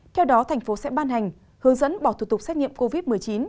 theo đó thành phố sẽ ban hành hướng dẫn bỏ thủ tục xét nghiệm covid một mươi chín